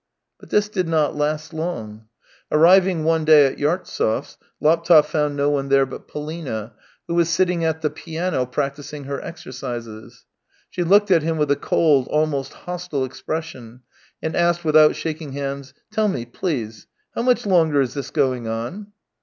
But this did not last long. Arriving one day at Yartsev's, Laptev found no one there but Polina, who was sitting at the piano practising her exercises. She looked at him with a cold, almost hostile expression, and asked without shaking hands: " Tell me, please: how much longer is this going on